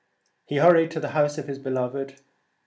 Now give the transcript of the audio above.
He hurried to the house of his beloved.